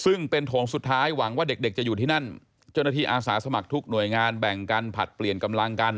ซึ่งเป็นโถงสุดท้ายหวังว่าเด็กเด็กจะอยู่ที่นั่นเจ้าหน้าที่อาสาสมัครทุกหน่วยงานแบ่งกันผลัดเปลี่ยนกำลังกัน